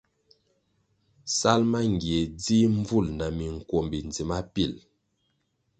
Sal mangie dzih mbvúl na minkwombi ndzima pil.